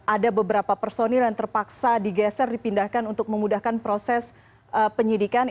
ada beberapa personil yang terpaksa digeser dipindahkan untuk memudahkan proses penyidikan